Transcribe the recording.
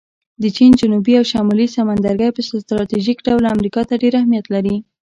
د چین جنوبي او شمالي سمندرګی په سټراټیژیک ډول امریکا ته ډېر اهمیت لري